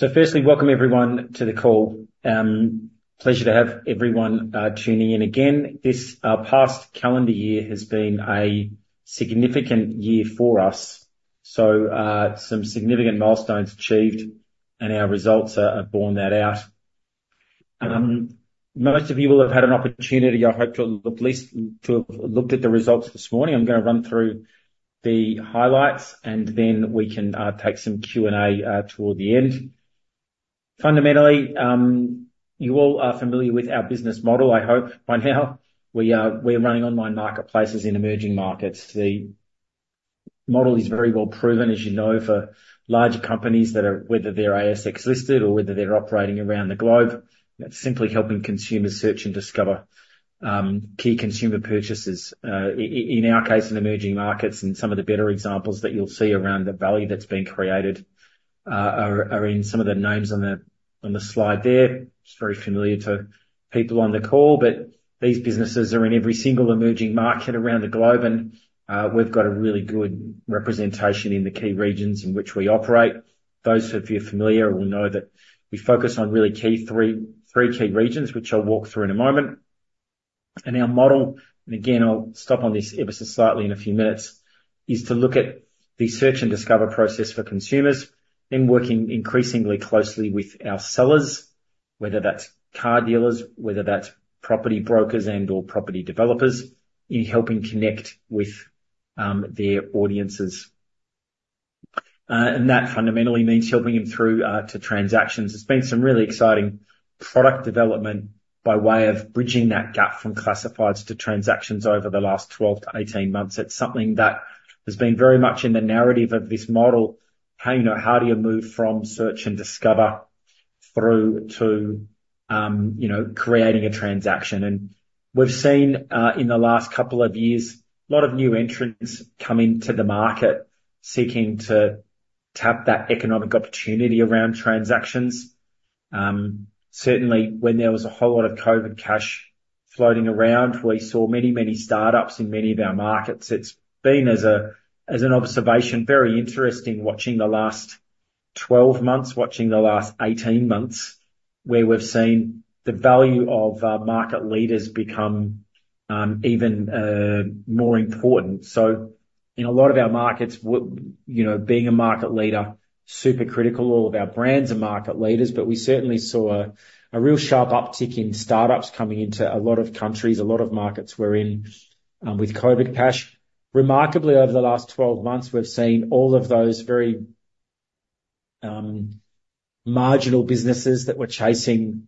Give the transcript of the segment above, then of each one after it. So firstly, welcome everyone to the call. Pleasure to have everyone tuning in again. This past calendar year has been a significant year for us. So, some significant milestones achieved, and our results have borne that out. Most of you will have had an opportunity, I hope, to at least have looked at the results this morning. I'm gonna run through the highlights, and then we can take some Q&A toward the end. Fundamentally, you all are familiar with our business model, I hope by now. We're running online marketplaces in emerging markets. The model is very well proven, as you know, for large companies that are whether they're ASX listed or whether they're operating around the globe. It's simply helping consumers search and discover key consumer purchases. In our case, in emerging markets, and some of the better examples that you'll see around the value that's been created, are in some of the names on the slide there. It's very familiar to people on the call, but these businesses are in every single emerging market around the globe, and we've got a really good representation in the key regions in which we operate. Those of you familiar will know that we focus on really key three key regions, which I'll walk through in a moment. And our model, and again, I'll stop on this ever so slightly in a few minutes, is to look at the search and discover process for consumers, then working increasingly closely with our sellers, whether that's car dealers, whether that's property brokers and/or property developers, in helping connect with their audiences. That fundamentally means helping them through to transactions. There's been some really exciting product development by way of bridging that gap from classifieds to transactions over the last 12-18 months. It's something that has been very much in the narrative of this model. How, you know, how do you move from search and discover through to, you know, creating a transaction? And we've seen in the last couple of years, a lot of new entrants come into the market, seeking to tap that economic opportunity around transactions. Certainly, when there was a whole lot of COVID cash floating around, we saw many, many startups in many of our markets. It's been, as an observation, very interesting watching the last 12 months, watching the last 18 months, where we've seen the value of market leaders become even more important. So in a lot of our markets, you know, being a market leader, super critical. All of our brands are market leaders, but we certainly saw a real sharp uptick in startups coming into a lot of countries, a lot of markets we're in, with COVID cash. Remarkably, over the last 12 months, we've seen all of those very marginal businesses that were chasing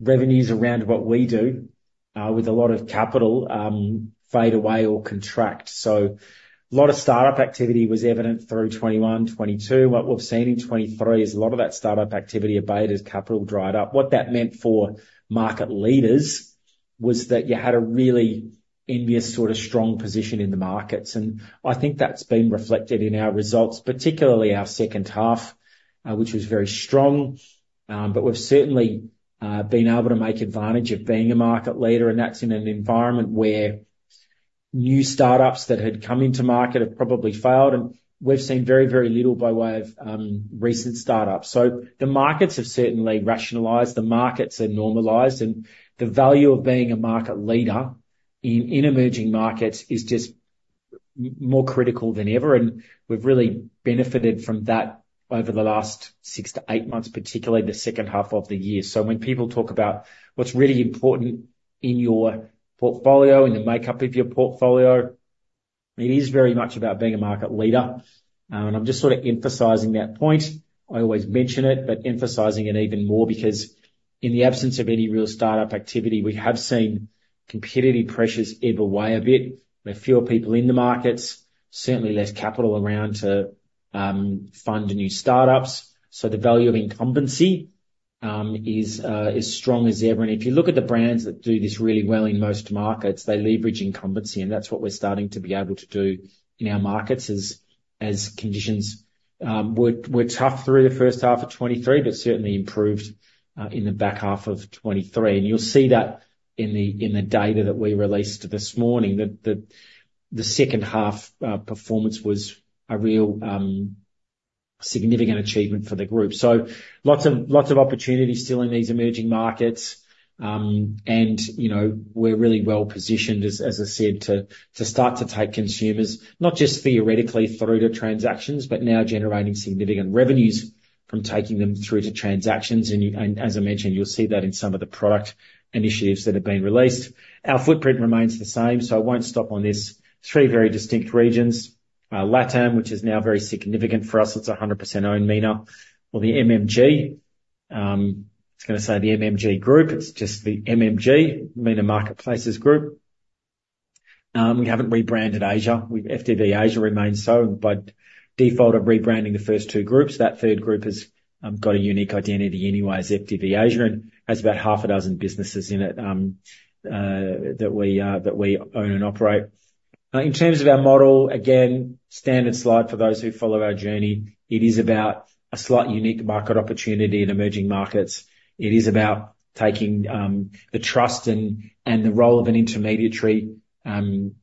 revenues around what we do with a lot of capital, fade away or contract. So a lot of startup activity was evident through 2021, 2022. What we've seen in 2023, is a lot of that startup activity abated as capital dried up. What that meant for market leaders was that you had a really envious, sort of, strong position in the markets. I think that's been reflected in our results, particularly our second half, which was very strong. But we've certainly been able to make advantage of being a market leader, and that's in an environment where new startups that had come into market have probably failed, and we've seen very, very little by way of recent startups. The markets have certainly rationalized, the markets are normalized, and the value of being a market leader in emerging markets is just more critical than ever, and we've really benefited from that over the last 6-8 months, particularly the second half of the year. So when people talk about what's really important in your portfolio, in the makeup of your portfolio, it is very much about being a market leader. And I'm just sort of emphasizing that point. I always mention it, but emphasizing it even more, because in the absence of any real startup activity, we have seen competitive pressures ebb away a bit. There are fewer people in the markets, certainly less capital around to fund new startups. So the value of incumbency is as strong as ever. And if you look at the brands that do this really well in most markets, they leverage incumbency, and that's what we're starting to be able to do in our markets as conditions were tough through the first half of 2023, but certainly improved in the back half of 2023. And you'll see that in the data that we released this morning, that the second half performance was a real significant achievement for the group. So lots of opportunities still in these emerging markets. And you know, we're really well positioned, as I said, to start to take consumers, not just theoretically through to transactions, but now generating significant revenues from taking them through to transactions. And as I mentioned, you'll see that in some of the product initiatives that have been released. Our footprint remains the same, so I won't stop on this. Three very distinct regions. LATAM, which is now very significant for us. It's 100% owned MENA or the MMG. I was gonna say the MMG group. It's just the MMG, MENA Marketplaces Group. We haven't rebranded Asia. FDV Asia remains so, but due to rebranding the first two groups, that third group has got a unique identity anyway as FDV Asia, and has about half a dozen businesses in it, that we own and operate. In terms of our model, again, standard slide for those who follow our journey. It is about a slightly unique market opportunity in emerging markets. It is about taking the trust and the role of an intermediary in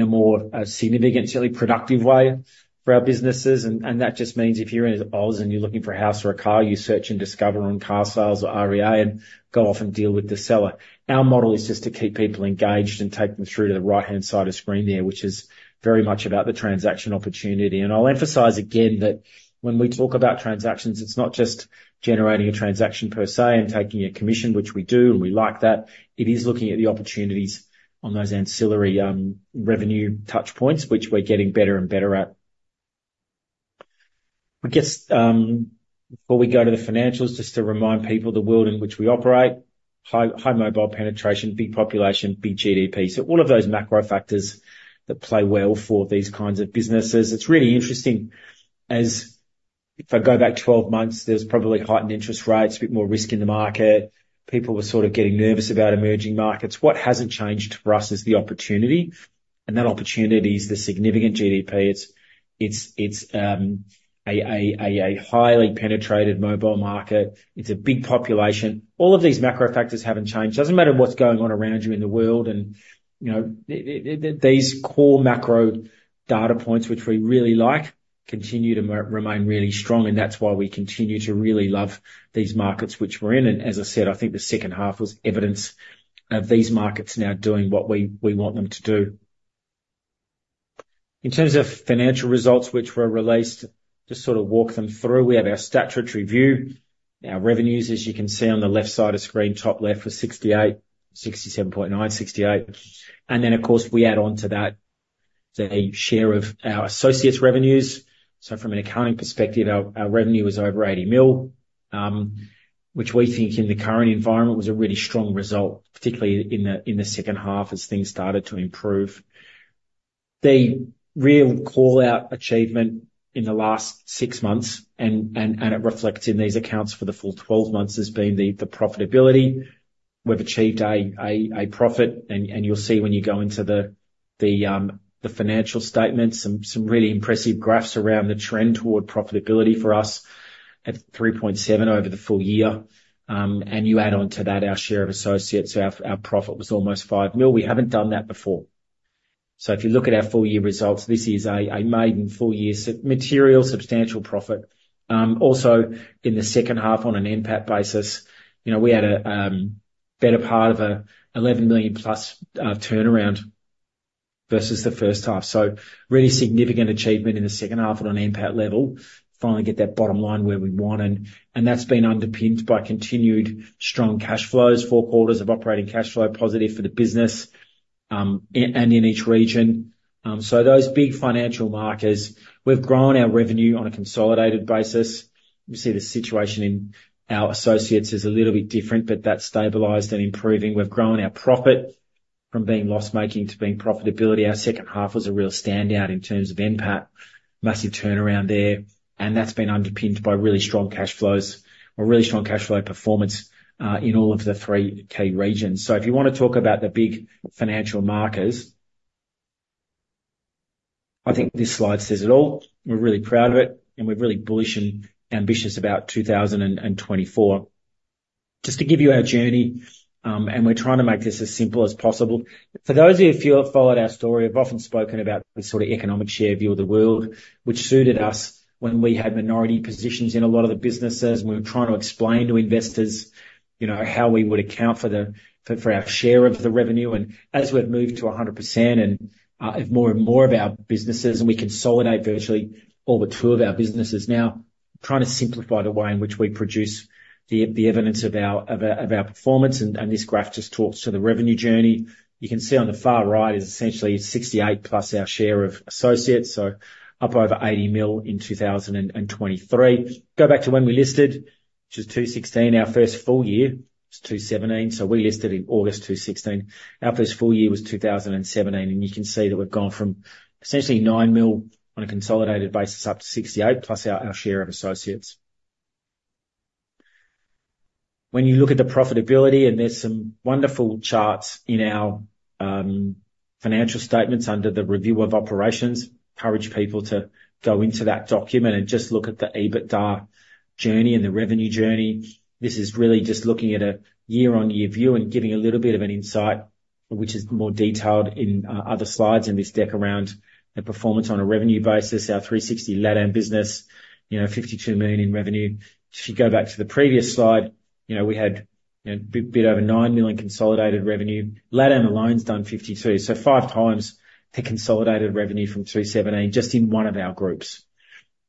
a more significantly productive way for our businesses. And that just means if you're in Aus and you're looking for a house or a car, you search and discover on Carsales or REA, and go off and deal with the seller. Our model is just to keep people engaged and take them through to the right-hand side of screen there, which is very much about the transaction opportunity. I'll emphasize again, that when we talk about transactions, it's not just generating a transaction per se and taking a commission, which we do, and we like that. It is looking at the opportunities on those ancillary, revenue touch points, which we're getting better and better at. I guess, before we go to the financials, just to remind people the world in which we operate- high, high mobile penetration, big population, big GDP. All of those macro factors that play well for these kinds of businesses. It's really interesting if I go back 12 months, there's probably heightened interest rates, a bit more risk in the market. People were sort of getting nervous about emerging markets. What hasn't changed for us is the opportunity, and that opportunity is the significant GDP. It's a highly penetrated mobile market. It's a big population. All of these macro factors haven't changed. Doesn't matter what's going on around you in the world. And, you know, these core macro data points, which we really like, continue to remain really strong, and that's why we continue to really love these markets which we're in. And as I said, I think the second half was evidence of these markets now doing what we want them to do. In terms of financial results, which were released, just sort of walk them through. We have our statutory view. Our revenues, as you can see on the left side of screen, top left, was 67.9. And then, of course, we add on to that the share of our associates' revenues. So from an accounting perspective, our revenue was over 80 million, which we think in the current environment was a really strong result, particularly in the second half, as things started to improve. The real call-out achievement in the last 6 months, and it reflects in these accounts for the full 12 months, has been the profitability. We've achieved a profit, and you'll see when you go into the financial statements, some really impressive graphs around the trend toward profitability for us at 3.7 million over the full year. And you add on to that our share of associates. So our profit was almost 5 million. We haven't done that before. So if you look at our full year results, this is a maiden full year material substantial profit. Also in the second half, on an NPAT basis, you know, we had a better part of 11 million-plus turnaround versus the first half. So really significant achievement in the second half at an NPAT level. Finally, get that bottom line where we want, and that's been underpinned by continued strong cash flows, 4 quarters of operating cash flow positive for the business, and in each region. So those big financial markers, we've grown our revenue on a consolidated basis. You see the situation in our associates is a little bit different, but that's stabilized and improving. We've grown our profit from being loss-making to being profitable. Our second half was a real standout in terms of NPAT. Massive turnaround there, and that's been underpinned by really strong cash flows or really strong cash flow performance in all of the three key regions. So if you wanna talk about the big financial markers, I think this slide says it all. We're really proud of it, and we're really bullish and ambitious about 2024. Just to give you our journey, and we're trying to make this as simple as possible. For those of you who have followed our story, I've often spoken about the sort of economic share view of the world, which suited us when we had minority positions in a lot of the businesses, and we were trying to explain to investors, you know, how we would account for the for our share of the revenue. And as we've moved to 100% and more and more of our businesses, and we consolidate virtually all but two of our businesses now, trying to simplify the way in which we produce the evidence of our performance, and this graph just talks to the revenue journey. You can see on the far right is essentially 68 million, plus our share of associates, so up over 80 million in 2023. Go back to when we listed, which was 2016. Our first full year was 2017. So we listed in August 2016. Our first full year was 2017, and you can see that we've gone from essentially 9 million on a consolidated basis up to 68 million, plus our share of associates. When you look at the profitability, and there's some wonderful charts in our financial statements under the review of operations, encourage people to go into that document and just look at the EBITDA journey and the revenue journey. This is really just looking at a year-on-year view and giving a little bit of an insight, which is more detailed in other slides in this deck around the performance on a revenue basis. Our 360 LATAM business, you know, 52 million in revenue. If you go back to the previous slide, you know, we had a bit over 9 million consolidated revenue. LATAM alone has done 52, so five times the consolidated revenue from 2017, just in one of our groups.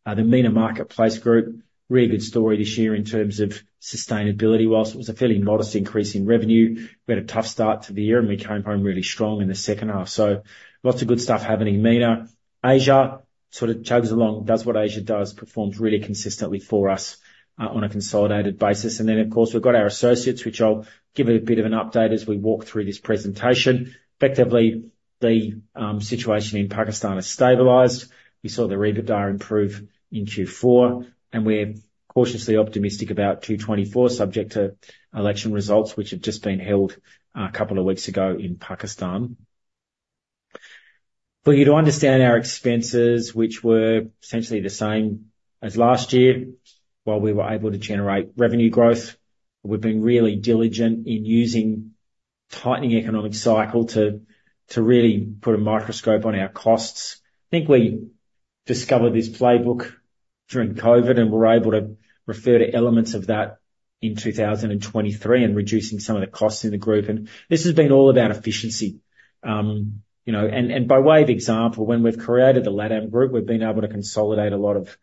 The MENA Marketplace group, really good story this year in terms of sustainability. While it was a fairly modest increase in revenue, we had a tough start to the year, and we came home really strong in the second half. Lots of good stuff happening in MENA. Asia sort of chugs along, does what Asia does, performs really consistently for us on a consolidated basis. Then, of course, we've got our associates, which I'll give a bit of an update as we walk through this presentation. Effectively, the situation in Pakistan has stabilized. We saw the EBITDA improve in Q4, and we're cautiously optimistic about 2024, subject to election results, which have just been held a couple of weeks ago in Pakistan. For you to understand our expenses, which were essentially the same as last year. While we were able to generate revenue growth, we've been really diligent in using tightening economic cycle to really put a microscope on our costs. I think we discovered this playbook during COVID, and were able to refer to elements of that in 2023, and reducing some of the costs in the group. And this has been all about efficiency. You know, and by way of example, when we've created the LATAM group, we've been able to consolidate a lot of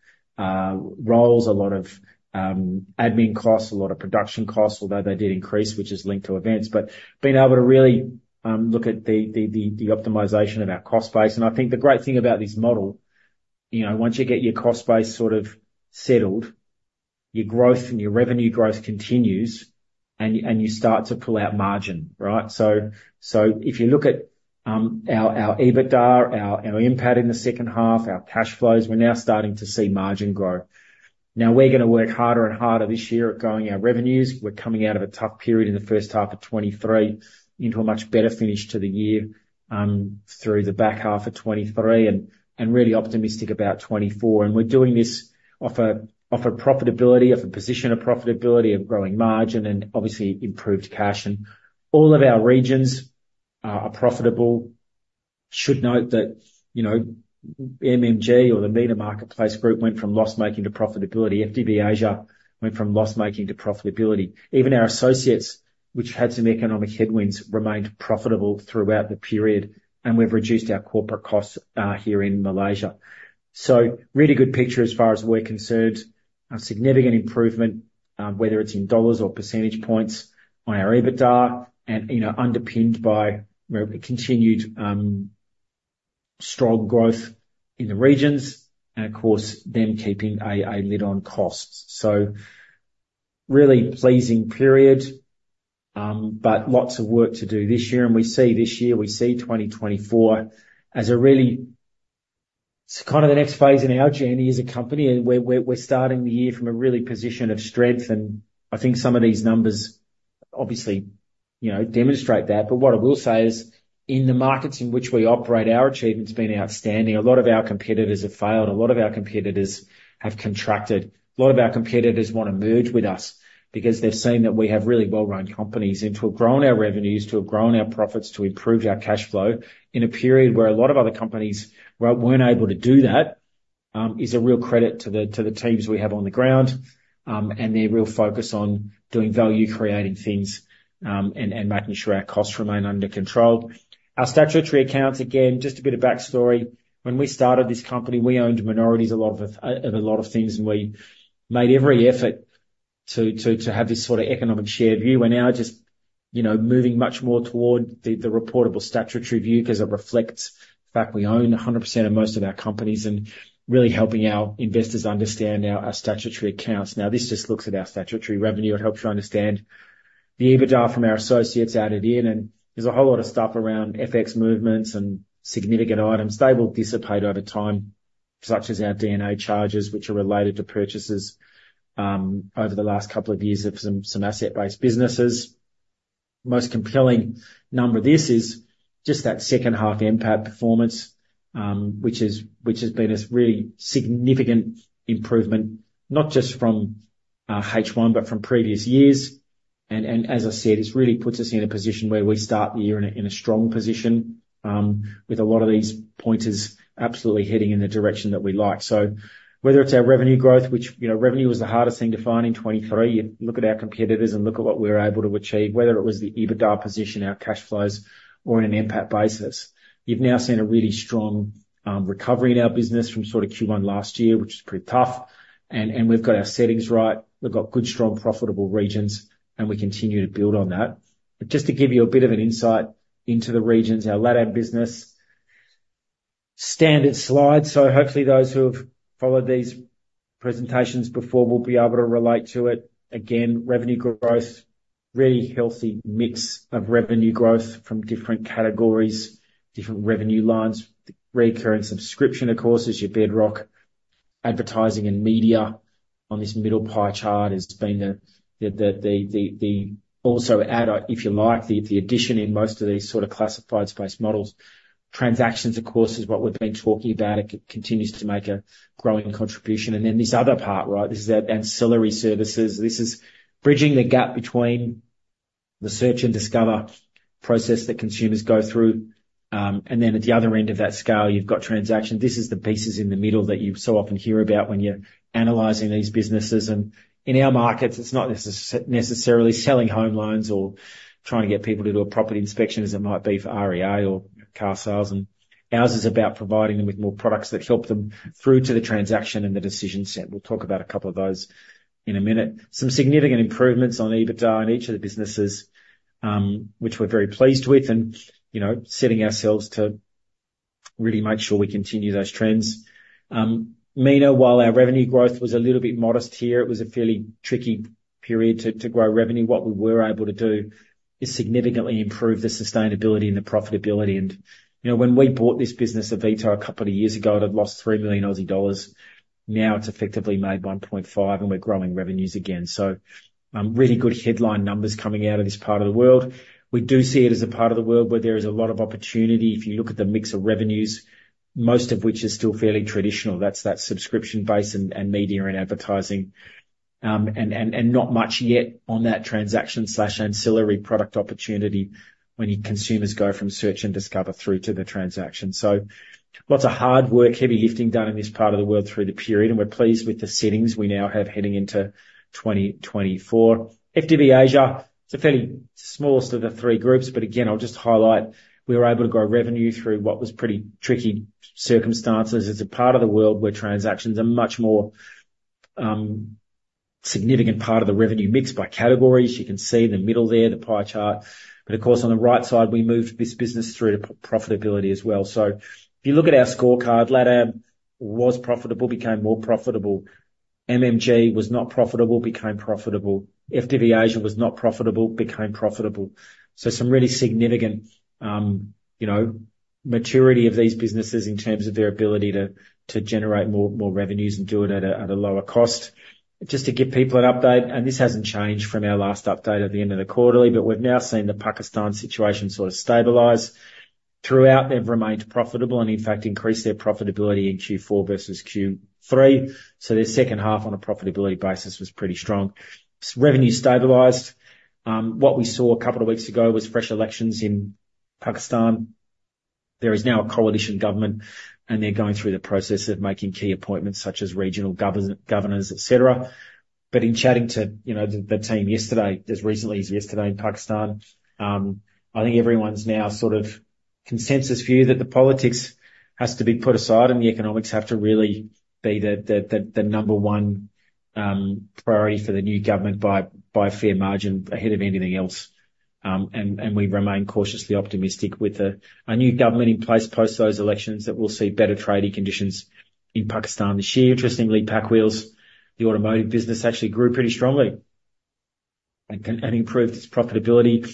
roles, a lot of admin costs, a lot of production costs, although they did increase, which is linked to events. But being able to really look at the optimization of our cost base. I think the great thing about this model, you know, once you get your cost base sort of settled, your growth and your revenue growth continues, and you, and you start to pull out margin, right? So, so if you look at our EBITDA, our NPAT in the second half, our cash flows, we're now starting to see margin grow. Now we're gonna work harder and harder this year at growing our revenues. We're coming out of a tough period in the first half of 2023 into a much better finish to the year, through the back half of 2023, and, and really optimistic about 2024. And we're doing this off a, off a profitability, off a position of profitability, of growing margin, and obviously improved cash. And all of our regions are profitable. should note that, you know, MMG or the MENA Marketplaces Group went from loss-making to profitability. FDV Asia went from loss-making to profitability. Even our associates, which had some economic headwinds, remained profitable throughout the period, and we've reduced our corporate costs here in Malaysia. So really good picture as far as we're concerned. A significant improvement, whether it's in dollars or percentage points on our EBITDA and, you know, underpinned by where we continued strong growth in the regions and of course, them keeping a lid on costs. So really pleasing period, but lots of work to do this year. And we see this year, we see 2024 as a really; It's kind of the next phase in our journey as a company, and we're starting the year from a really position of strength, and I think some of these numbers obviously, you know, demonstrate that. But what I will say is, in the markets in which we operate, our achievement's been outstanding. A lot of our competitors have failed, a lot of our competitors have contracted. A lot of our competitors wanna merge with us, because they've seen that we have really well-run companies, and to have grown our revenues, to have grown our profits, to improved our cash flow in a period where a lot of other companies weren't able to do that, is a real credit to the, to the teams we have on the ground, and their real focus on doing value-creating things, and, and making sure our costs remain under control. Our statutory accounts, again, just a bit of backstory. When we started this company, we owned minorities in a lot of things, and we made every effort to have this sort of economic share view. We're now just, you know, moving much more toward the reportable statutory view, because it reflects the fact we own 100% of most of our companies, and really helping our investors understand now our statutory accounts. Now, this just looks at our statutory revenue. It helps you understand the EBITDA from our associates added in, and there's a whole lot of stuff around FX movements and significant items. They will dissipate over time, such as our D&A charges, which are related to purchases over the last couple of years of some asset-based businesses. Most compelling number, this is just that second half NPAT performance, which has been a really significant improvement, not just from H1, but from previous years. And as I said, this really puts us in a position where we start the year in a strong position, with a lot of these pointers absolutely heading in the direction that we like. So whether it's our revenue growth, which, you know, revenue was the hardest thing to find in 2023. You look at our competitors and look at what we were able to achieve, whether it was the EBITDA position, our cash flows, or in an NPAT basis. You've now seen a really strong recovery in our business from sort of Q1 last year, which is pretty tough. And we've got our settings right. We've got good, strong, profitable regions, and we continue to build on that. But just to give you a bit of an insight into the regions, our LATAM business. Standard slide, so hopefully those who have followed these presentations before will be able to relate to it. Again, revenue growth, really healthy mix of revenue growth from different categories, different revenue lines. Recurring subscription, of course, is your bedrock. Advertising and media on this middle pie chart has been the- also add, if you like, the addition in most of these sort of classified space models. Transactions, of course, is what we've been talking about. It continues to make a growing contribution. And then this other part, right, this is our ancillary services. This is bridging the gap between the search and discover process that consumers go through. And then at the other end of that scale, you've got transaction. This is the pieces in the middle that you so often hear about when you're analyzing these businesses. And in our markets, it's not necessarily selling home loans or trying to get people to do a property inspection, as it might be for REA or Carsales, and ours is about providing them with more products that help them through to the transaction and the decision set. We'll talk about a couple of those in a minute. Some significant improvements on EBITDA in each of the businesses, which we're very pleased with and, you know, setting ourselves to really make sure we continue those trends. MENA, while our revenue growth was a little bit modest here, it was a fairly tricky period to grow revenue. What we were able to do is significantly improve the sustainability and the profitability. You know, when we bought this business, Avito, a couple of years ago, it had lost 3 million Aussie dollars. Now it's effectively made 1.5 million, and we're growing revenues again. So, really good headline numbers coming out of this part of the world. We do see it as a part of the world where there is a lot of opportunity. If you look at the mix of revenues, most of which is still fairly traditional, that's that subscription base and media and advertising, and not much yet on that transaction/ancillary product opportunity when your consumers go from search and discover through to the transaction. So lots of hard work, heavy lifting done in this part of the world through the period, and we're pleased with the settings we now have heading into 2024. FDV Asia, it's a fairly smallest of the three groups, but again, I'll just highlight, we were able to grow revenue through what was pretty tricky circumstances. It's a part of the world where transactions are much more, significant part of the revenue mix by categories. You can see in the middle there, the pie chart. But of course, on the right side, we moved this business through to profitability as well. So if you look at our scorecard, LATAM was profitable, became more profitable. MMG was not profitable, became profitable. FDV Asia was not profitable, became profitable. So some really significant, you know, maturity of these businesses in terms of their ability to generate more revenues and do it at a lower cost. Just to give people an update, and this hasn't changed from our last update at the end of the quarterly, but we've now seen the Pakistan situation sort of stabilize. Throughout, they've remained profitable and in fact increased their profitability in Q4 versus Q3. So their second half on a profitability basis was pretty strong. Revenue stabilized. What we saw a couple of weeks ago was fresh elections in Pakistan. There is now a coalition government, and they're going through the process of making key appointments, such as regional governors, et cetera. But in chatting to, you know, the team yesterday, as recently as yesterday in Pakistan, I think everyone's now sort of consensus view that the politics has to be put aside and the economics have to really be the number one priority for the new government by a fair margin ahead of anything else. And we remain cautiously optimistic with a new government in place post those elections, that we'll see better trading conditions in Pakistan this year. Interestingly, PakWheels, the automotive business, actually grew pretty strongly and improved its profitability.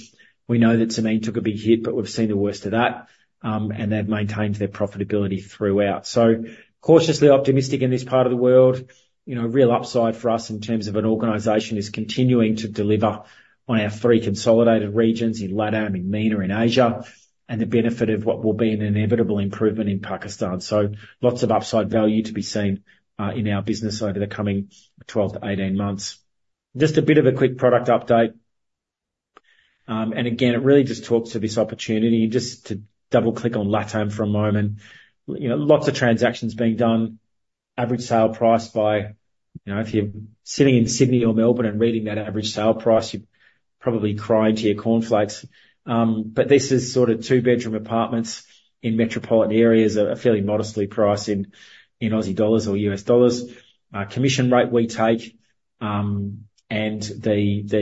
We know that Zameen took a big hit, but we've seen the worst of that, and they've maintained their profitability throughout. So cautiously optimistic in this part of the world. You know, real upside for us in terms of an organization is continuing to deliver on our three consolidated regions in LATAM, in MENA, in Asia, and the benefit of what will be an inevitable improvement in Pakistan. So lots of upside value to be seen in our business over the coming 12-18 months. Just a bit of a quick product update. And again, it really just talks to this opportunity just to double click on LATAM for a moment. You know, lots of transactions being done. Average sale price by- you know, if you're sitting in Sydney or Melbourne and reading that average sale price, you're probably crying to your Cornflakes. But this is sort of two-bedroom apartments in metropolitan areas are fairly modestly priced in Aussie dollars or US dollars. Commission rate we take, and the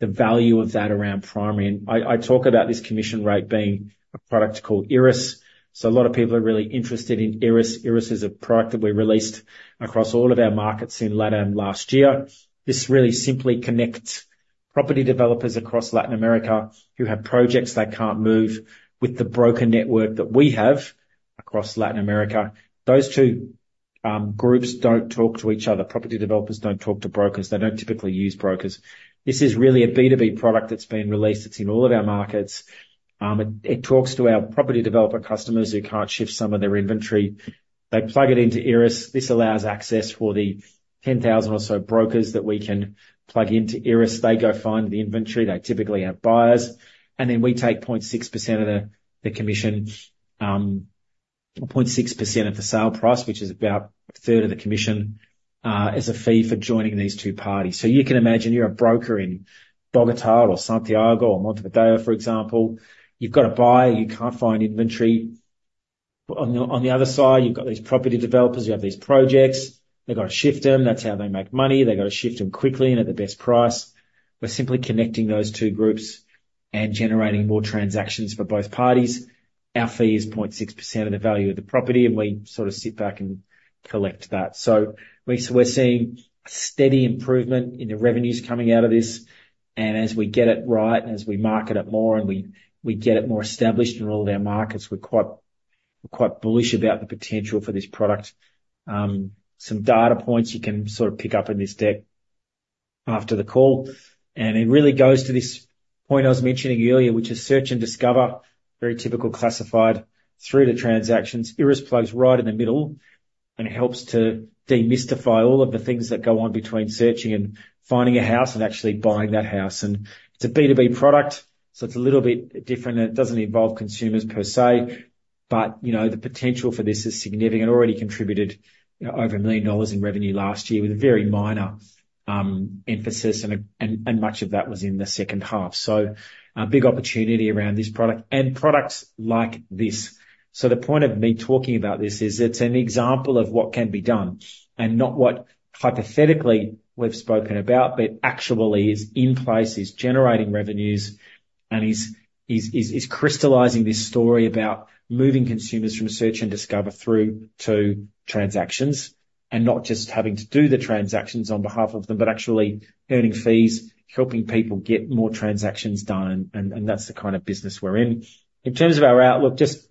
value of that around primary. And I talk about this commission rate being a product called Iris. So a lot of people are really interested in Iris. Iris is a product that we released across all of our markets in LATAM last year. This really simply connects property developers across Latin America who have projects they can't move with the broker network that we have across Latin America. Those two groups don't talk to each other. Property developers don't talk to brokers. They don't typically use brokers. This is really a B2B product that's been released. It's in all of our markets. It talks to our property developer customers who can't shift some of their inventory. They plug it into Iris. This allows access for the 10,000 or so brokers that we can plug into Iris. They go find the inventory. They typically have buyers, and then we take 0.6% of the commission, 0.6% of the sale price, which is about a third of the commission, as a fee for joining these two parties. So you can imagine you're a broker in Bogotá or Santiago or Montevideo, for example. You've got a buyer. You can't find inventory. On the other side, you've got these property developers, you have these projects. They've got to shift them. That's how they make money. They've got to shift them quickly and at the best price. We're simply connecting those two groups and generating more transactions for both parties. Our fee is 0.6% of the value of the property, and we sort of sit back and collect that. So we're seeing a steady improvement in the revenues coming out of this, and as we get it right, and as we market it more, and we, we get it more established in all of our markets, we're quite, quite bullish about the potential for this product. Some data points you can sort of pick up in this deck after the call, and it really goes to this point I was mentioning earlier, which is search and discover, very typical classified through the transactions. Iris plugs right in the middle and helps to demystify all of the things that go on between searching and finding a house and actually buying that house. It's a B2B product, so it's a little bit different, and it doesn't involve consumers per se, but, you know, the potential for this is significant and already contributed, you know, over 1 million dollars in revenue last year with a very minor emphasis, and much of that was in the second half. So a big opportunity around this product and products like this. So the point of me talking about this is it's an example of what can be done and not what hypothetically we've spoken about, but actually is in place, is generating revenues; and is crystallizing this story about moving consumers from search and discover through to transactions, and not just having to do the transactions on behalf of them, but actually earning fees, helping people get more transactions done. And that's the kind of business we're in. In terms of our outlook, just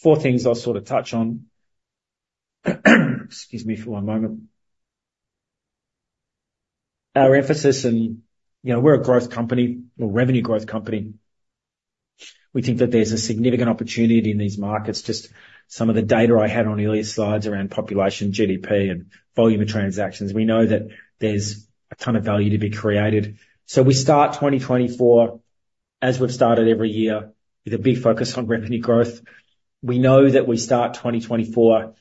four things I'll sort of touch on. Excuse me for one moment. Our emphasis and, you know, we're a growth company, a revenue growth company. We think that there's a significant opportunity in these markets. Just some of the data I had on earlier slides around population, GDP, and volume of transactions. We know that there's a ton of value to be created. So we start 2024, as we've started every year, with a big focus on revenue growth. We know that we start 2024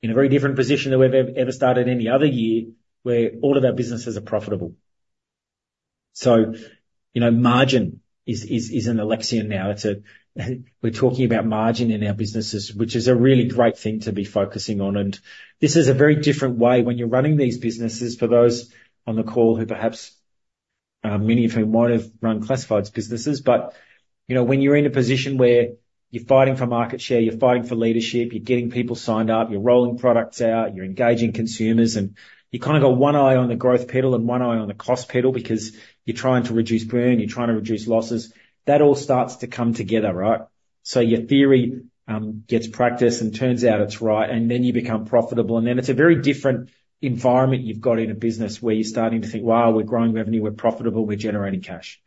in a very different position than we've ever started any other year, where all of our businesses are profitable. So, you know, margin is, is, is an elixir now. It's, we're talking about margin in our businesses, which is a really great thing to be focusing on, and this is a very different way when you're running these businesses, for those on the call who perhaps, many of whom won't have run classifieds businesses. But, you know, when you're in a position where you're fighting for market share, you're fighting for leadership, you're getting people signed up, you're rolling products out, you're engaging consumers, and you kind of got one eye on the growth pedal and one eye on the cost pedal because you're trying to reduce burn, you're trying to reduce losses. That all starts to come together, right? So your theory gets practice and turns out it's right, and then you become profitable. Then it's a very different environment you've got in a business where you're starting to think, "Wow, we're growing revenue, we're profitable, we're generating cash."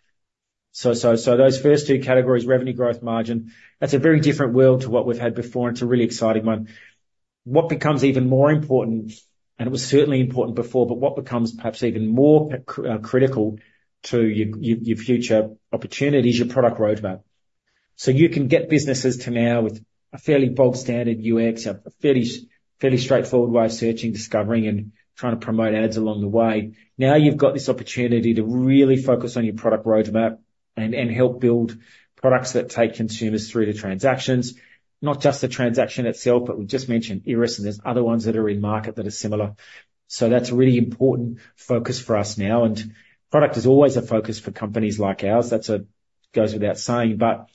So those first two categories, revenue growth, margin, that's a very different world to what we've had before, and it's a really exciting one. What becomes even more important, and it was certainly important before, but what becomes perhaps even more critical to your future opportunity is your product roadmap. So you can get businesses to now with a fairly bog-standard UX, a fairly straightforward way of searching, discovering, and trying to promote ads along the way. Now, you've got this opportunity to really focus on your product roadmap and help build products that take consumers through to transactions. Not just the transaction itself, but we just mentioned Iris, and there's other ones that are in market that are similar. So that's a really important focus for us now, and product is always a focus for companies like ours. That goes without saying, but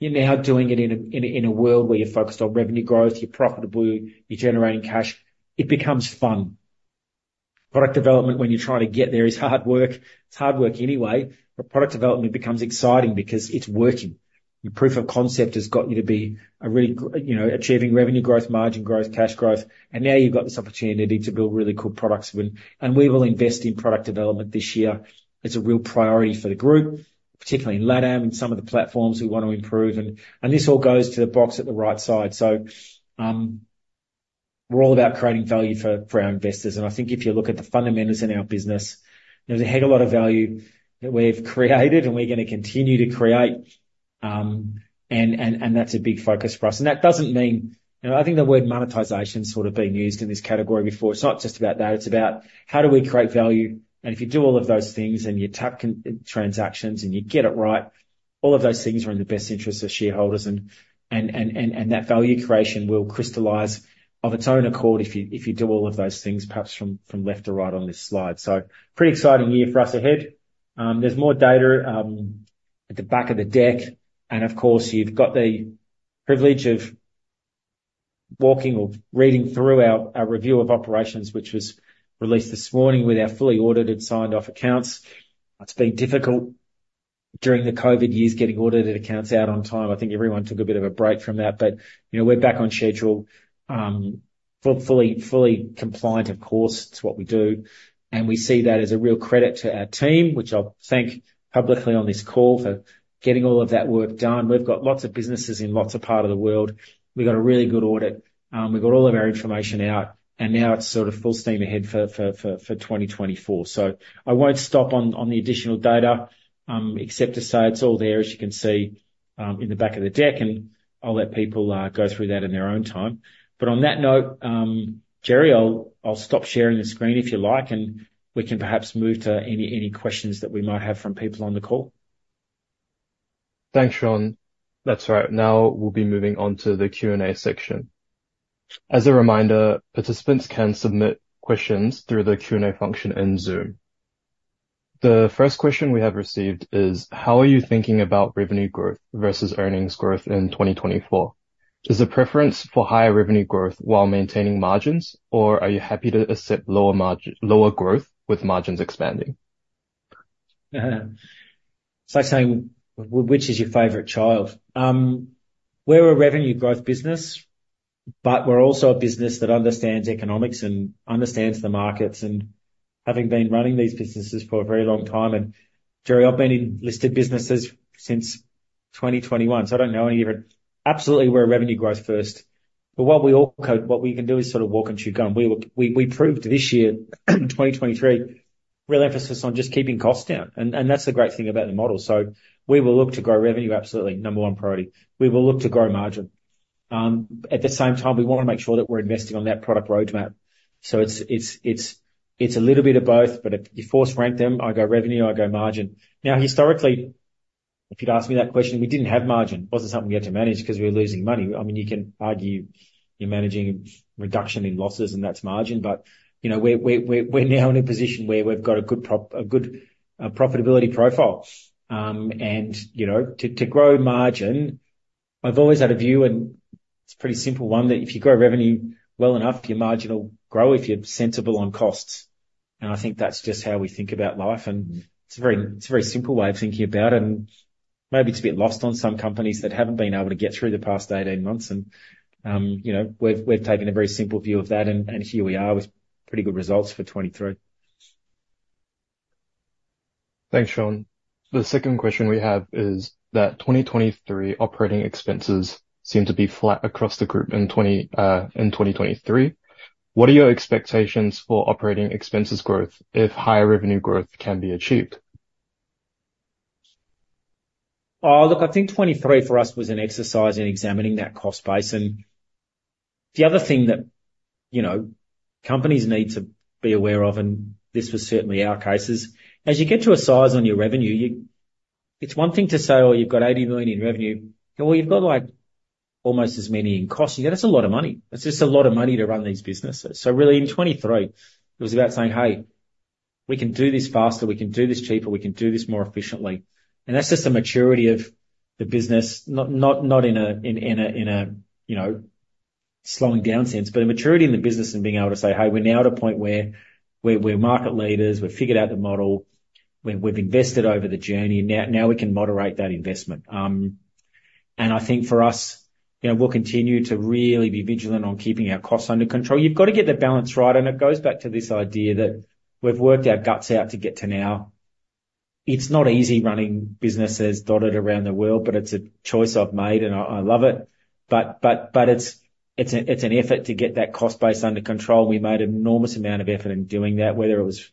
you're now doing it in a world where you're focused on revenue growth, you're profitable, you're generating cash, it becomes fun. Product development, when you're trying to get there, is hard work. It's hard work anyway, but product development becomes exciting because it's working. Your proof of concept has got you to be a really, you know, achieving revenue growth, margin growth, cash growth, and now you've got this opportunity to build really cool products. And we will invest in product development this year. It's a real priority for the group, particularly in LATAM and some of the platforms we want to improve. And this all goes to the box at the right side. So, we're all about creating value for our investors, and I think if you look at the fundamentals in our business, there's a heck of a lot of value that we've created and we're gonna continue to create, and that's a big focus for us. And that doesn't mean- you know, I think the word monetization sort of being used in this category before, it's not just about that. It's about how do we create value? And if you do all of those things, and you tap into transactions, and you get it right, all of those things are in the best interest of shareholders, and that value creation will crystallize of its own accord, if you do all of those things, perhaps from left to right on this slide. So pretty exciting year for us ahead. There's more data at the back of the deck, and of course, you've got the privilege of walking or reading through our review of operations, which was released this morning with our fully audited, signed-off accounts. It's been difficult during the COVID years, getting audited accounts out on time. I think everyone took a bit of a break from that, but, you know, we're back on schedule. Fully, fully compliant, of course, it's what we do, and we see that as a real credit to our team, which I'll thank publicly on this call for getting all of that work done. We've got lots of businesses in lots of part of the world. We've got a really good audit. We've got all of our information out, and now it's sort of full steam ahead for 2024. So I won't stop on the additional data, except to say it's all there, as you can see, in the back of the deck, and I'll let people go through that in their own time. But on that note, Jerry, I'll stop sharing the screen if you like, and we can perhaps move to any questions that we might have from people on the call. Thanks, Shaun. That's right. Now, we'll be moving on to the Q&A section. As a reminder, participants can submit questions through the Q&A function in Zoom. The first question we have received is: How are you thinking about revenue growth versus earnings growth in 2024? Is the preference for higher revenue growth while maintaining margins, or are you happy to accept lower margin- lower growth with margins expanding? It's like saying, which is your favorite child? We're a revenue growth business, but we're also a business that understands economics and understands the markets, and having been running these businesses for a very long time, and Jerry, I've been in listed businesses since 2021, so I don't know any different. Absolutely, we're a revenue growth first, but what we can do is sort of walk and chew gum. We proved this year, in 2023, real emphasis on just keeping costs down, and that's the great thing about the model. So we will look to grow revenue, absolutely, number one priority. We will look to grow margin. At the same time, we wanna make sure that we're investing on that product roadmap. So it's a little bit of both, but if you force rank them, I go revenue, I go margin. Now, historically, if you'd asked me that question, we didn't have margin. It wasn't something we had to manage because we were losing money. I mean, you can argue you're managing reduction in losses, and that's margin, but, you know, we're now in a position where we've got a good profitability profile. And, you know, to grow margin. I've always had a view, and it's a pretty simple one, that if you grow revenue well enough, your margin will grow if you're sensible on costs. I think that's just how we think about life, and it's a very, it's a very simple way of thinking about it, and maybe it's a bit lost on some companies that haven't been able to get through the past 18 months. You know, we've taken a very simple view of that, and here we are with pretty good results for 2023. Thanks, Shaun. The second question we have is that 2023 operating expenses seem to be flat across the group in 2023. What are your expectations for operating expenses growth if higher revenue growth can be achieved? Oh, look, I think 2023 for us was an exercise in examining that cost base. The other thing that, you know, companies need to be aware of, and this was certainly our case, is as you get to a size on your revenue, you. It's one thing to say, Oh, you've got 80 million in revenue, and well, you've got, like, almost as many in costs. You get. That's a lot of money. That's just a lot of money to run these businesses. Really, in 2023, it was about saying, "Hey, we can do this faster, we can do this cheaper, we can do this more efficiently." That's just a maturity of the business. Not in a, you know, slowing down sense, but a maturity in the business and being able to say: Hey, we're now at a point where we're market leaders. We've figured out the model, we've invested over the journey, and now we can moderate that investment. And I think for us, you know, we'll continue to really be vigilant on keeping our costs under control. You've got to get the balance right, and it goes back to this idea that we've worked our guts out to get to now. It's not easy running businesses dotted around the world, but it's a choice I've made, and I love it. But it's an effort to get that cost base under control. We made an enormous amount of effort in doing that, whether it was our,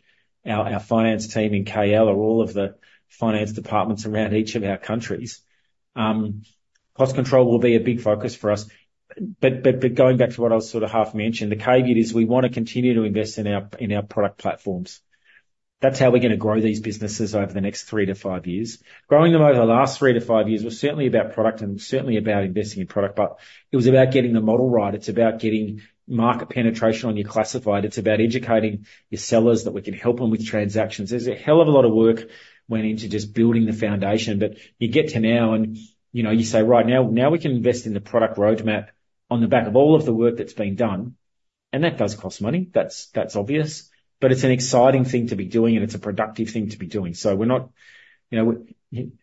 our finance team in KL or all of the finance departments around each of our countries. Cost control will be a big focus for us. But going back to what I sort of half mentioned, the caveat is we want to continue to invest in our, in our product platforms. That's how we're gonna grow these businesses over the next 3-5 years. Growing them over the last 3-5 years was certainly about product and certainly about investing in product, but it was about getting the model right. It's about getting market penetration on your classified. It's about educating your sellers that we can help them with transactions. There's a hell of a lot of work went into just building the foundation, but you get to now, and, you know, you say, "Right, now, now we can invest in the product roadmap on the back of all of the work that's been done," and that does cost money. That's, that's obvious, but it's an exciting thing to be doing, and it's a productive thing to be doing. So we're not- you know,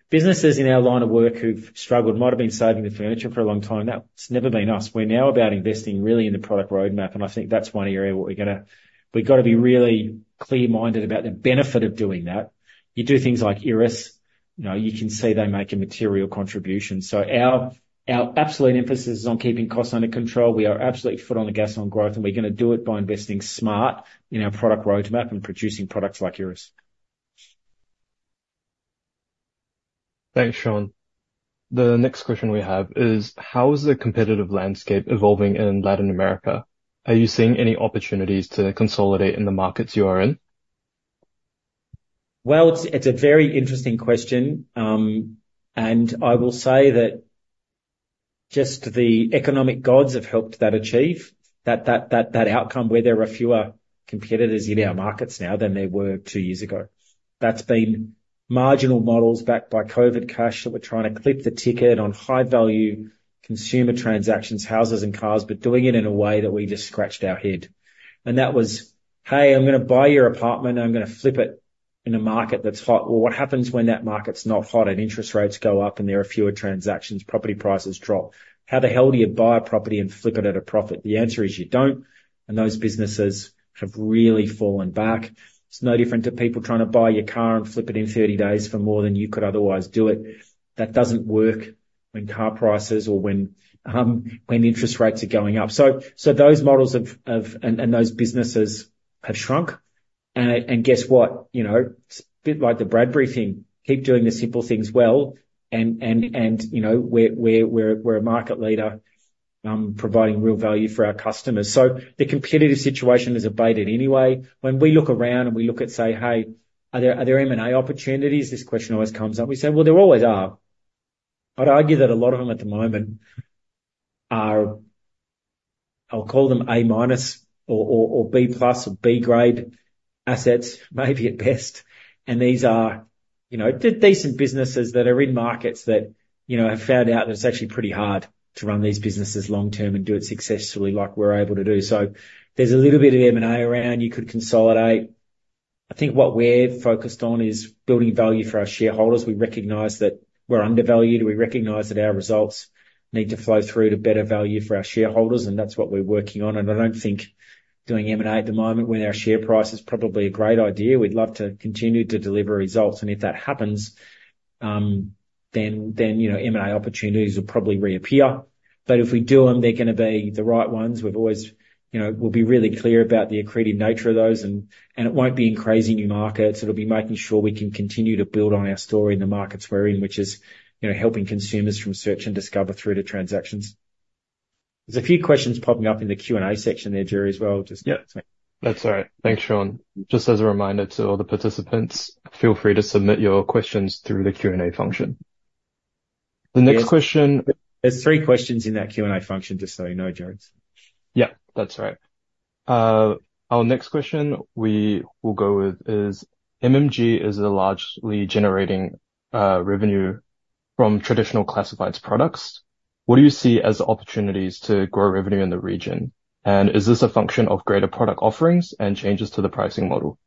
businesses in our line of work who've struggled might have been saving the furniture for a long time. That's never been us. We're now about investing really in the product roadmap, and I think that's one area where we're gonna, we've got to be really clear-minded about the benefit of doing that. You do things like Iris, you know, you can see they make a material contribution. Our absolute emphasis is on keeping costs under control. We are absolutely foot on the gas on growth, and we're gonna do it by investing smart in our product roadmap and producing products like Iris. Thanks, Shaun. The next question we have is: How is the competitive landscape evolving in Latin America? Are you seeing any opportunities to consolidate in the markets you are in? Well, it's a very interesting question. And I will say that just the economic gods have helped us achieve that outcome where there are fewer competitors in our markets now than there were two years ago. That's been marginal models backed by COVID cash that were trying to clip the ticket on high-value consumer transactions, houses, and cars, but doing it in a way that we just scratched our head. And that was, "Hey, I'm gonna buy your apartment, and I'm gonna flip it in a market that's hot." Well, what happens when that market's not hot and interest rates go up and there are fewer transactions, property prices drop? How the hell do you buy a property and flip it at a profit? The answer is you don't, and those businesses have really fallen back. It's no different to people trying to buy your car and flip it in 30 days for more than you could otherwise do it. That doesn't work when car prices or when interest rates are going up. So those models, and those businesses have shrunk. And guess what? You know, it's a bit like the Bradbury thing. Keep doing the simple things well, and you know, we're a market leader providing real value for our customers. So the competitive situation is abated anyway. When we look around and we look at, say: Hey, are there M&A opportunities? This question always comes up. We say, "Well, there always are." I'd argue that a lot of them at the moment are, I'll call them A minus or B plus or B grade assets, maybe at best. And these are, you know, they're decent businesses that are in markets that, you know, have found out that it's actually pretty hard to run these businesses long-term and do it successfully, like we're able to do. So there's a little bit of M&A around you could consolidate. I think what we're focused on is building value for our shareholders. We recognize that we're undervalued. We recognize that our results need to flow through to better value for our shareholders, and that's what we're working on. And I don't think doing M&A at the moment when our share price is probably a great idea. We'd love to continue to deliver results, and if that happens, then, you know, M&A opportunities will probably reappear. But if we do them, they're gonna be the right ones. We've always- you know, we'll be really clear about the accretive nature of those, and it won't be in crazy new markets. It'll be making sure we can continue to build on our story in the markets we're in, which is, you know, helping consumers from search and discover through to transactions. There's a few questions popping up in the Q&A section there, Jerry, as well. Just, yeah. That's all right. Thanks, Shaun. Just as a reminder to all the participants, feel free to submit your questions through the Q&A function. The next question- There's three questions in that Q&A function, just so you know. Yeah, that's right. Our next question we will go with is, MMG is largely generating revenue from traditional classifieds products. What do you see as opportunities to grow revenue in the region? And is this a function of greater product offerings and changes to the pricing model?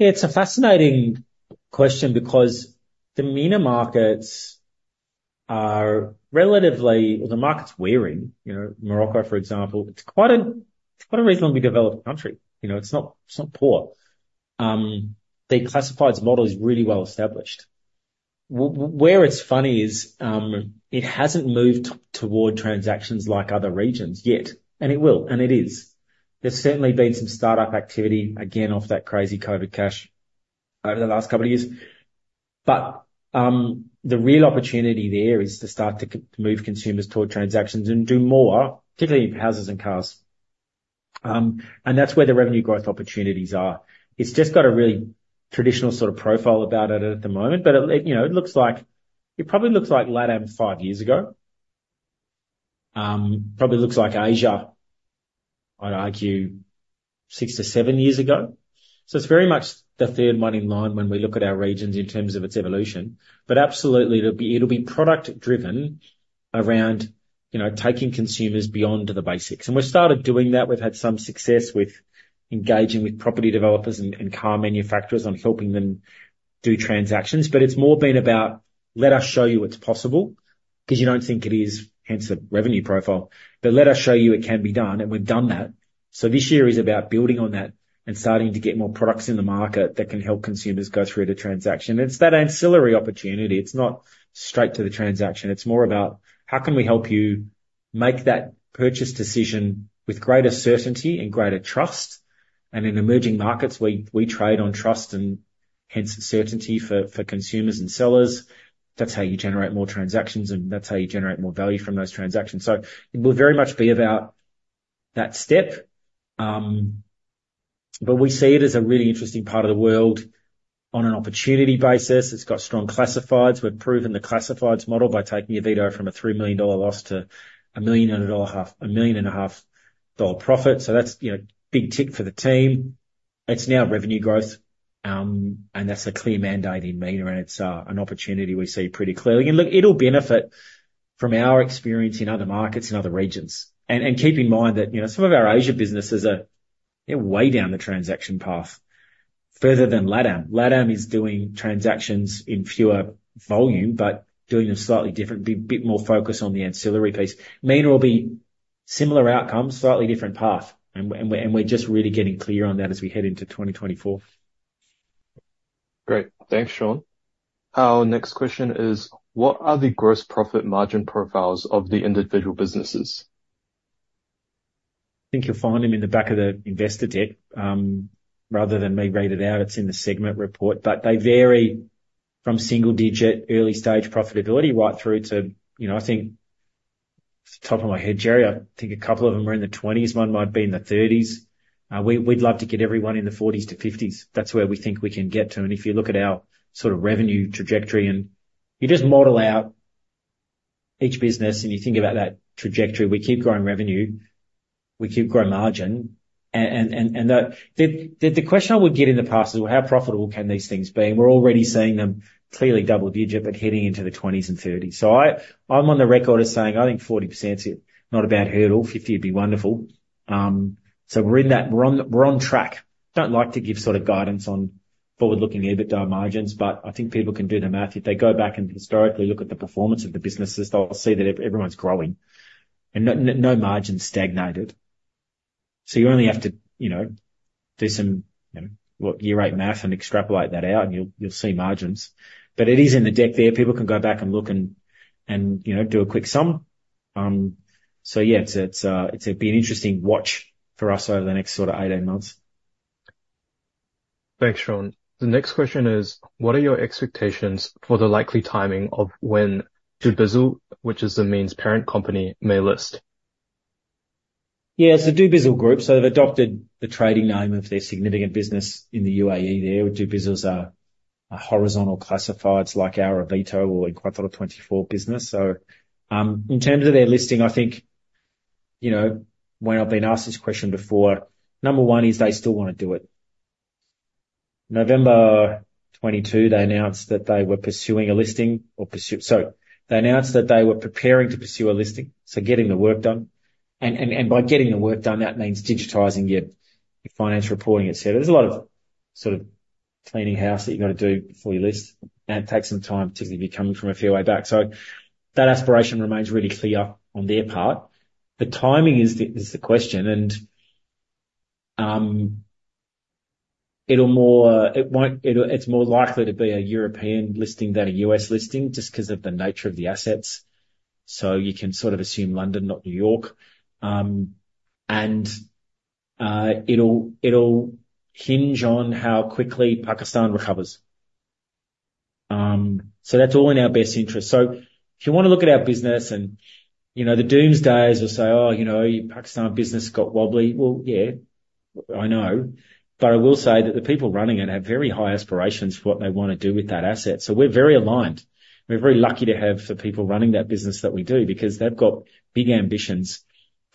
It's a fascinating question, because the MENA markets are relatively well, the market's weary. You know, Morocco, for example, it's quite a reasonably developed country. You know, it's not poor. Their classifieds model is really well established. Where it's funny is, it hasn't moved toward transactions like other regions yet, and it will, and it is. There's certainly been some startup activity, again, off that crazy COVID cash over the last couple of years. But, the real opportunity there is to start to move consumers toward transactions and do more, particularly in houses and cars. And that's where the revenue growth opportunities are. It's just got a really traditional sort of profile about it at the moment, but it, you know, it looks like. It probably looks like LATAM five years ago. Probably looks like Asia, I'd argue, 6-7 years ago. So it's very much the third one in line when we look at our regions in terms of its evolution. But absolutely, it'll be, it'll be product-driven around, you know, taking consumers beyond the basics. And we've started doing that. We've had some success with engaging with property developers and car manufacturers on helping them do transactions, but it's more been about, "Let us show you it's possible," 'cause you don't think it is, hence the revenue profile. "But let us show you it can be done," and we've done that. So this year is about building on that and starting to get more products in the market that can help consumers go through the transaction. It's that ancillary opportunity. It's not straight to the transaction. It's more about how can we help you make that purchase decision with greater certainty and greater trust? And in emerging markets, we trade on trust and hence, certainty for consumers and sellers. That's how you generate more transactions, and that's how you generate more value from those transactions. So it will very much be about that step. But we see it as a really interesting part of the world on an opportunity basis. It's got strong classifieds. We've proven the classifieds model by taking Avito from a $3 million loss to a $1.5 million profit. So that's, you know, big tick for the team. It's now revenue growth, and that's a clear mandate in MENA, and it's an opportunity we see pretty clearly. Look, it'll benefit from our experience in other markets and other regions. And keep in mind that, you know, some of our Asia businesses are, they're way down the transaction path, further than LATAM. LATAM is doing transactions in fewer volume, but doing them slightly different, be a bit more focused on the ancillary piece. MENA will be similar outcomes, slightly different path, and we're just really getting clear on that as we head into 2024. Great. Thanks, Shaun. Our next question is: What are the gross profit margin profiles of the individual businesses? I think you'll find them in the back of the investor deck, rather than me read it out, it's in the segment report. But they vary from single-digit, early stage profitability, right through to, you know, I think, off the top of my head, Jerry, I think a couple of them are in the 20s, one might be in the 30s. We, we'd love to get everyone in the 40s-50s. That's where we think we can get to. And if you look at our sort of revenue trajectory and you just model out each business, and you think about that trajectory, we keep growing revenue, we keep growing margin. And the question I would get in the past is: Well, how profitable can these things be? We're already seeing them clearly double-digit, but heading into the 20s and 30s. So I'm on the record as saying I think 40% is a not a bad hurdle, 50 would be wonderful. So we're in that. We're on track. Don't like to give sort of guidance on forward-looking EBITDA margins, but I think people can do the math. If they go back and historically look at the performance of the businesses, they'll see that everyone's growing, and no margin's stagnated. So you only have to, you know, do some, you know, well, year 8 math and extrapolate that out and you'll see margins. But it is in the deck there, people can go back and look and, and, you know, do a quick sum. So yeah, it's gonna be an interesting watch for us over the next sort of 18 months. Thanks, Shaun. The next question is: What are your expectations for the likely timing of when Dubizzle, which is the MENA's parent company, may list? Yeah, it's the Dubizzle Group, so they've adopted the trading name of their significant business in the UAE there, where Dubizzle's a horizontal classifieds, like our Avito or Encuentra24 business. So, in terms of their listing, I think, you know, when I've been asked this question before, number one is, they still wanna do it. November 2022, they announced that they were preparing to pursue a listing, so getting the work done. And by getting the work done, that means digitizing your financial reporting, et cetera. There's a lot of sort of cleaning house that you've got to do before you list, and it takes some time, particularly if you're coming from a fair way back. So that aspiration remains really clear on their part. The timing is the question, and it's more likely to be a European listing than a U.S. listing, just 'cause of the nature of the assets. So you can sort of assume London, not New York. It'll hinge on how quickly Pakistan recovers. That's all in our best interest. So if you wanna look at our business and, you know, the doomsayers will say, "Oh, you know, your Pakistan business got wobbly." Well, yeah, I know, but I will say that the people running it have very high aspirations for what they want to do with that asset. So we're very aligned. We're very lucky to have the people running that business that we do, because they've got big ambitions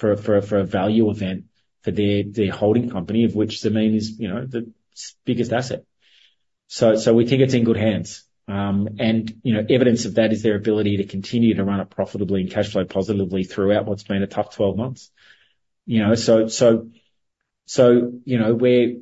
for a value event for their holding company, of which Zameen is, you know, the biggest asset. So we think it's in good hands. And, you know, evidence of that is their ability to continue to run it profitably and cash flow positively throughout what's been a tough twelve months. You know, so we're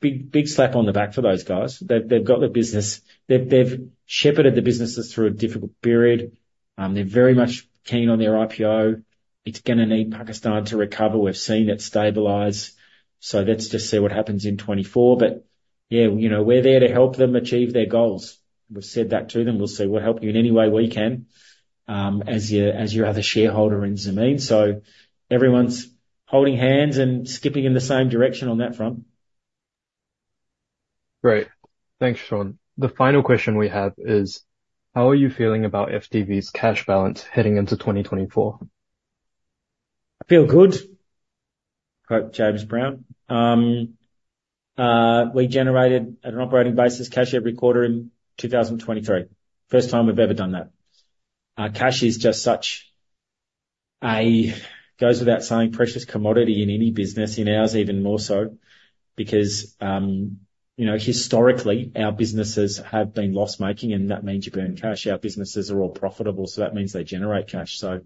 big, big slap on the back for those guys. They've got their business. They've shepherded the businesses through a difficult period. They're very much keen on their IPO. It's gonna need Pakistan to recover. We've seen it stabilize, so let's just see what happens in 2024. But yeah, you know, we're there to help them achieve their goals. We've said that to them. We'll say: We'll help you in any way we can, as your other shareholder in Zameen. So everyone's holding hands and skipping in the same direction on that front. Great. Thanks, Shaun. The final question we have is: How are you feeling about FDV's cash balance heading into 2024? 'I feel good.' Quote James Brown. We generated, at an operating basis, cash every quarter in 2023. First time we've ever done that. Cash is just such a, goes without saying, precious commodity in any business, in ours, even more so because, you know, historically, our businesses have been loss-making, and that means you burn cash. Our businesses are all profitable, so that means they generate cash. So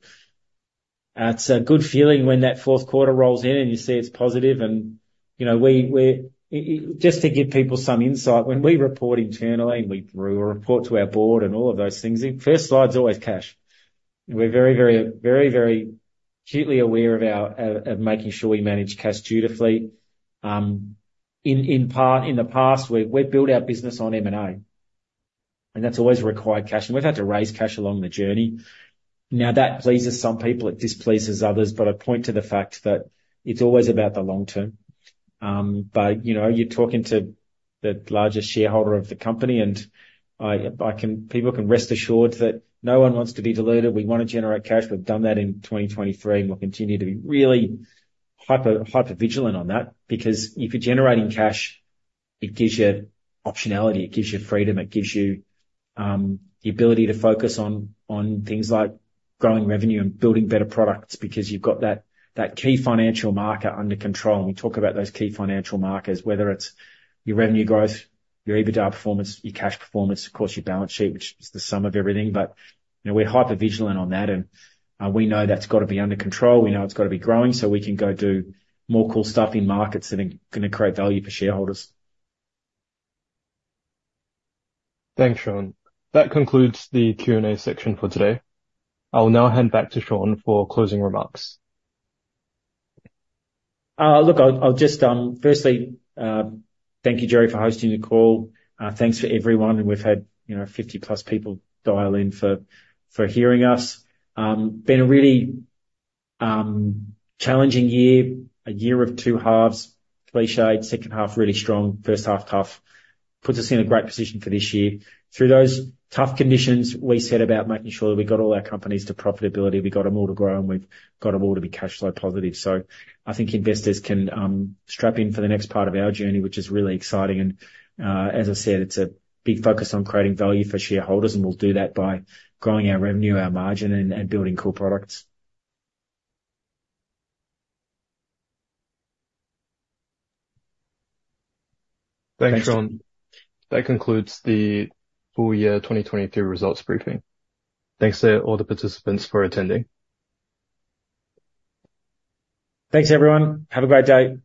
it's a good feeling when that fourth quarter rolls in, and you see it's positive and, you know, we, I- just to give people some insight, when we report internally, and we run a report to our board and all of those things, the first slide's always cash. And we're very, very, very, very acutely aware of our, of, of making sure we manage cash dutifully. In part, in the past, we've built our business on M&A, and that's always required cash, and we've had to raise cash along the journey. Now, that pleases some people, it displeases others, but I point to the fact that it's always about the long term. But, you know, you're talking to the largest shareholder of the company, and I can-- people can rest assured that no one wants to be diluted. We want to generate cash. We've done that in 2023, and we'll continue to be really hyper-vigilant on that because if you're generating cash, it gives you optionality, it gives you freedom, it gives you the ability to focus on things like growing revenue and building better products because you've got that key financial marker under control. We talk about those key financial markers, whether it's your revenue growth, your EBITDA performance, your cash performance, of course, your balance sheet, which is the sum of everything. But you know, we're hyper-vigilant on that, and we know that's got to be under control, we know it's got to be growing, so we can go do more cool stuff in markets that are gonna create value for shareholders. Thanks, Shaun. That concludes the Q&A section for today. I'll now hand back to Shaun for closing remarks. Look, I'll, I'll just, firstly, thank you, Jerry, for hosting the call. Thanks for everyone, and we've had, you know, 50+ people dial in for, for hearing us. Been a really challenging year, a year of two halves. Clichéd, second half, really strong, first half, tough. Puts us in a great position for this year. Through those tough conditions, we set about making sure that we got all our companies to profitability. We got them all to grow, and we've got them all to be cash flow positive. So I think investors can strap in for the next part of our journey, which is really exciting. And, as I said, it's a big focus on creating value for shareholders, and we'll do that by growing our revenue, our margin, and, and building cool products. Thanks, Shaun. That concludes the Full Year 2023 Results Briefing. Thanks to all the participants for attending. Thanks, everyone. Have a great day.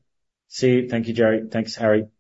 See you. Thank you, Jerry. Thanks, Harry.